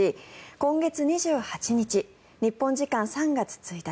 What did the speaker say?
今月２８日日本時間３月１日